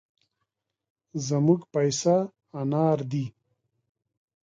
زموږ پيسه انار دي.